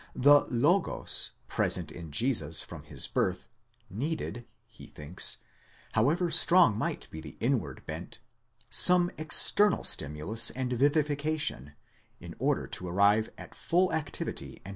The Adyos, present in Jesus from his birth, needed, he thinks, however strong might be the inward bent, some external stimulus and vivification, in order to arrive at full activity and mani 1 Hess, Geschichte Jesu, i s.